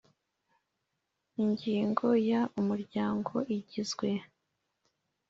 Ingingo ya umuryango ugizwe